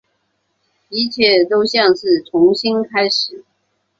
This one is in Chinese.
一切都像是重新开始